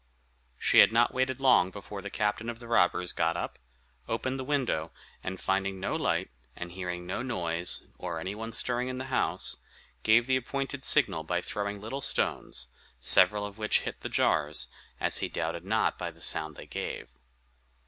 She had not waited long before the captain of the robbers got up, opened the window, and finding no light, and hearing no noise, or any one stirring in the house, gave the appointed signal by throwing little stones, several of which hit the jars, as he doubted not by the sound they gave.